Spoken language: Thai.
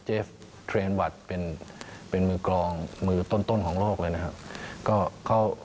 เฟฟเทรนวัตเป็นมือกรองมือต้นของโลกเลยนะครับ